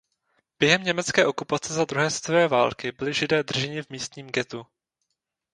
Během německé okupace za druhé světové války byli Židé drženi v místním ghettu.